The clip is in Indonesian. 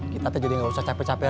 kita tuh jadi gak usah capek capek